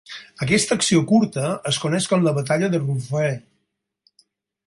Aquesta acció curta es coneix com "La Batalla de Rouvray".